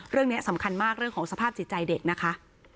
เรื่องนี้สำคัญมากเรื่องของสภาพจิตใจเด็กนะคะ